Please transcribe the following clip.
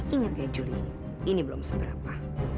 ingat ya juli ini belum seberapa